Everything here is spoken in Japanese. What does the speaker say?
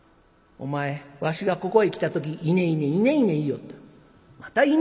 お前わしがここへ来た時いねいねいねいね言いよった。